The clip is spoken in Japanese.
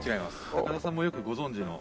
高田さんもよくご存じの。